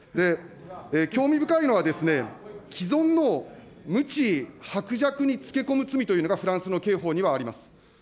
興味深いのはですね、既存の無知薄弱につけこむ罪というのがフランスの刑法にはあります。